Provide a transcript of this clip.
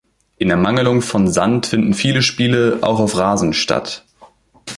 In Ermangelung von Sand finden viele Spiele auch auf Rasen statt.